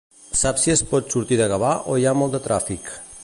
Saps si es pot sortir de Gavà, o hi ha molt de tràfic?